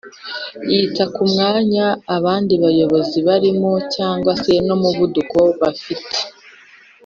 yita kumwanya abandi bayobozi barimo cg se n' umuvuduko bafite